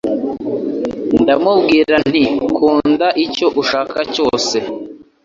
Ndamubwira nti Nkunda icyo ushaka cyose